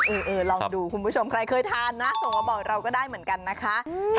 เออลองดูคุณผู้ชมใครเคยทานนะส่งมาบอกเราก็ได้เหมือนกันนะคะ